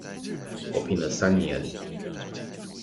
我拼了三年